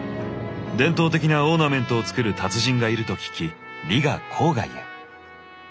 伝統的なオーナメントを作る達人がいると聞きリガ郊外へ。